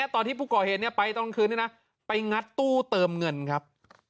ตอนที่ภูเกาะเหดเนี่ยไปต้นกลางคืนนะไปงัดตู้เติมเงินครับ